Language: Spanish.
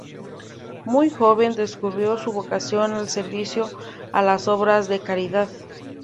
Muy joven, descubrió su vocación al servicio a las obras de caridad.